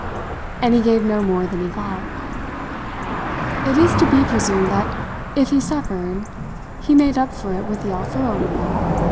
And he gave no more than he got. It is to be presumed that if he suffered he made up for it with the Alfuro woman.